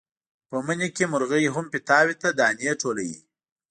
په مني کې مرغۍ هم پیتاوي ته دانې ټولوي.